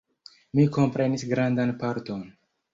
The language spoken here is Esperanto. Mi komprenis grandan parton.